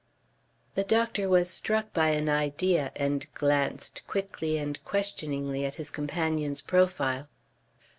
The doctor was struck by an idea and glanced quickly and questioningly at his companion's profile.